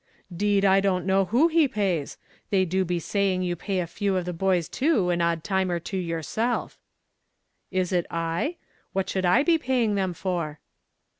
"'Deed I don't know who he pays. They do be saying you pay a few of the boys too an odd time or two yourself." "Is it I? What should I be paying them for?"